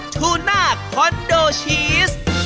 ทูน่าคอนโดชีส